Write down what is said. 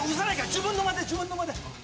自分の間で自分の間で。